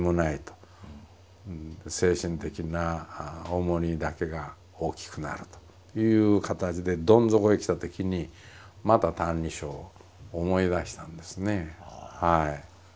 精神的な重荷だけが大きくなるという形でどん底へきたときにまた「歎異抄」を思い出したんですね。